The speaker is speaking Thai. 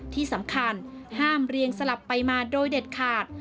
ที่สำคัญห้ามเรียงสลับไปมาโดยเด็ดขาด